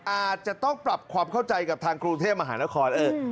อาจจะต้องปรับความเข้าใจกับทางกรุงเทพมหานคร